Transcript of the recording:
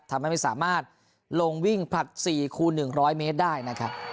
ทำให้ไม่สามารถลงวิ่งผลัด๔คูณ๑๐๐เมตรได้นะครับ